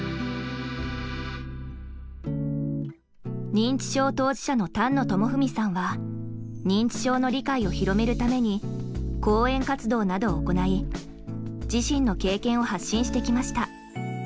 認知症当事者の丹野智文さんは認知症の理解を広めるために講演活動などを行い自身の経験を発信してきました。